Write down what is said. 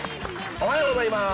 おはようございます。